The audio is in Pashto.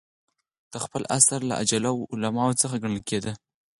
د خپل عصر له اجله وو علماوو څخه ګڼل کېدئ.